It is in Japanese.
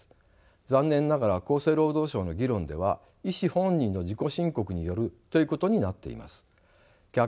残念ながら厚生労働省の議論では医師本人の自己申告によるということになっています。